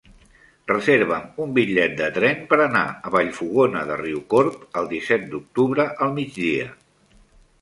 Reserva'm un bitllet de tren per anar a Vallfogona de Riucorb el disset d'octubre al migdia.